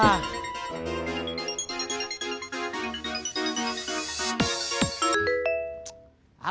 apa dia tiap